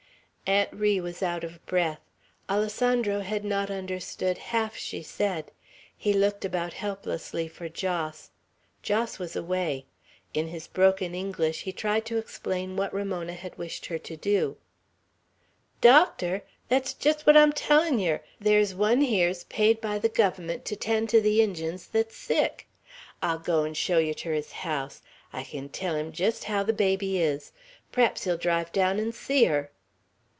Aunt Ri was out of breath. Alessandro had not understood half she said. He looked about helplessly for Jos. Jos was away. In his broken English he tried to explain what Ramona had wished her to do. "Doctor! Thet's jest what I'm tellin' yer! There is one here's paid by the Guvvermunt to 'tend to the Injuns thet's sick. I'll go 'n' show yer ter his house. I kin tell him jest how the baby is. P'r'aps he'll drive down 'n' see her!"